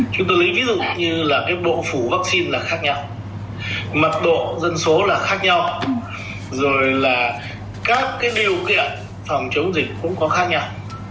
chúng tôi lấy ví dụ như là cái độ phủ vaccine là khác nhau mật độ dân số là khác nhau rồi là các cái điều kiện phòng chống dịch cũng có khác nhau